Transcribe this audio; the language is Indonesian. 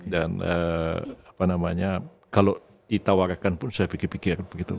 dan apa namanya kalau ditawarkan pun saya pikir pikir